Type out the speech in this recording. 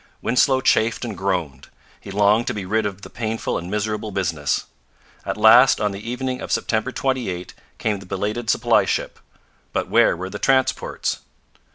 Winslow chafed and groaned. He longed to be rid of the painful and miserable business. At last, on the evening of September 28, came the belated supply ship; but where were the transports?